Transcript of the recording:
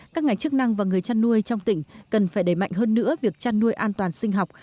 các ngành chức năng và người chăn nuôi trong tỉnh cần phải đẩy mạnh hơn nữa việc chăn nuôi an toàn sinh học